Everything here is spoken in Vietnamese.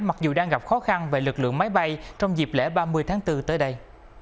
mặc dù đang gặp khó khăn về lực lượng máy bay trong dịp lễ ba mươi tháng bốn tới đây